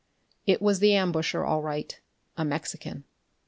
It was the ambusher, all right: a Mexican.